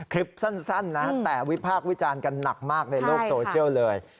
คลิปสั้นนะแต่วิพากษ์วิจารณ์กันหนักมากในโลกโซเชียลเลย